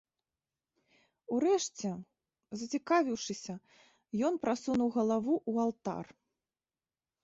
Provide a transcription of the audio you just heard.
Урэшце, зацікавіўшыся, ён прасунуў галаву ў алтар.